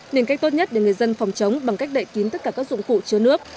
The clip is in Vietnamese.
nên cách tốt nhất để người dân phòng chống bằng cách đậy kín tất cả các dụng cụ chứa nước